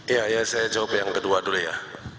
iya ya saya jawab yang kedua dulu ya